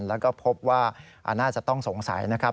แล้วก็พบว่าน่าจะต้องสงสัยนะครับ